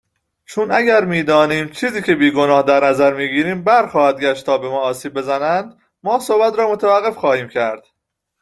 چون اگر میدانیم چیزی که بیگناه در نظر میگیریم برخواهد گشت تا به ما آسیب بزنند، ما صحبت را متوقف خواهیم کرد